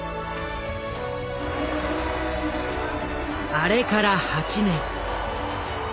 あれから８年。